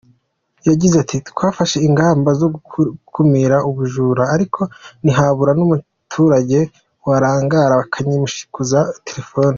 Yagize ati “Twafashe ingamba zo gukumira ubujura ariko ntihabura n’ umuturage warangara bakayimushikuza telefone .